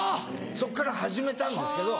そっから始めたんですけど。